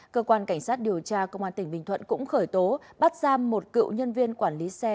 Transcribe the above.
cơ quan cảnh sát điều tra công an tỉnh bình thuận cũng khởi tố bắt giam một cựu nhân viên quản lý xe